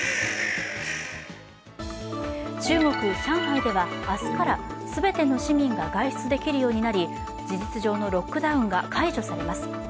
中国・上海では明日から全ての市民が外出できるようになり事実上のロックダウンが解除されます。